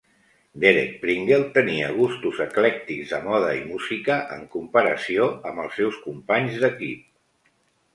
Derek Pringle tenia gustos eclèctics de moda i música en comparació amb els seus companys d'equip.